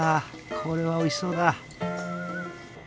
これはおいしそうだ！